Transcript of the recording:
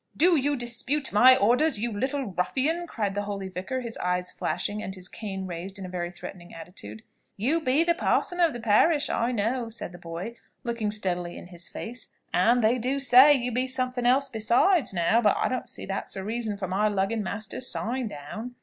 "Do you dispute my orders, you little ruffian?" cried the holy vicar, his eyes flashing, and his cane raised in a very threatening attitude. "You be the parson of the parish, I know," said the boy, looking steadily in his face; "and they do say you be something else besides, now; but I don't see that's a reason for my lugging master's sign down."